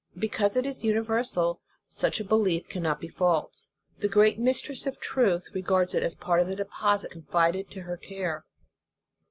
Because it is universal, such a belief cannot be false. The great Mistress of truth regards it as part of the deposit confided to her care.